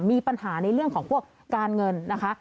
มีปัญหาในเรื่องของพวกการเงินนะคะ